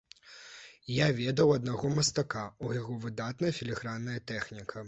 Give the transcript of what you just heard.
Я ведаў аднаго мастака, у яго выдатная філігранная тэхніка.